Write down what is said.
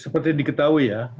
seperti diketahui ya